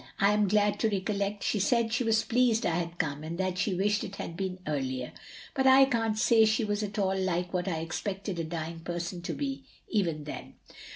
"/ am glad to recollect she said she was pleased I had come, and that she wished it had been earlier; but I cant say she was at all like what I expected a dying person to be, even then.